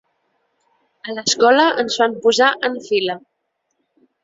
A l'escola ens fan posar en fila.